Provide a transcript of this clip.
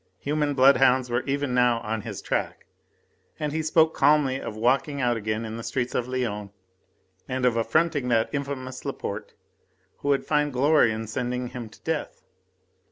Human bloodhounds were even now on his track, and he spoke calmly of walking out again in the streets of Lyons and of affronting that infamous Laporte, who would find glory in sending him to death.